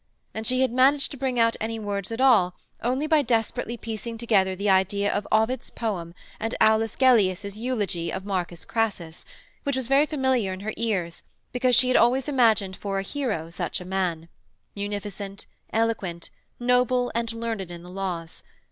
And she had managed to bring out any words at all only by desperately piecing together the idea of Ovid's poem and Aulus Gellius' Eulogy of Marcus Crassus, which was very familiar in her ears because she had always imagined for a hero such a man: munificent, eloquent, noble and learned in the laws.